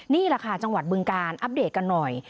นี่แหละค่ะจังหวัดบึงการอัปเดตกันหน่อย